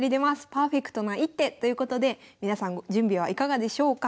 パーフェクトな一手ということで皆さん準備はいかがでしょうか？